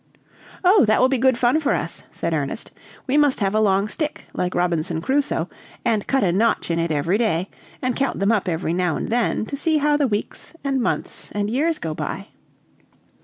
"Oh, that will be good fun for us," said Ernest. "We must have a long stick, like Robinson Crusoe, and cut a notch in it every day, and count them up every now and then, to see how the weeks and months and years go by."